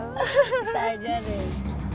bisa aja deh